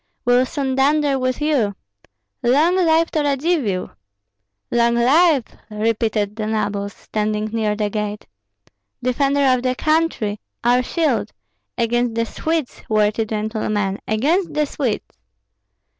We'll soon dunder with you. Long life to Radzivill!" "Long life!" repeated the nobles, standing near the gate. "Defender of the country! Our shield! Against the Swedes, worthy gentlemen, against the Swedes!"